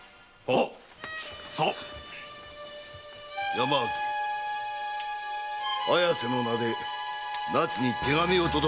山脇綾瀬の名で奈津に手紙を届けるのだ。